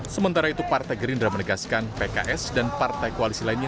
sementara itu partai gerindra menegaskan pks dan partai koalisi lainnya